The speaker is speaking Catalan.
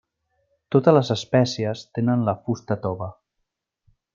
Totes les espècies tenen la fusta tova.